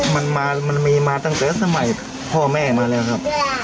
มันมีมาตั้งแต่สมัยพ่อแม่มาแล้วครับ